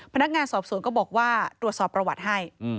พนักงานสอบสวนก็บอกว่าตรวจสอบประวัติให้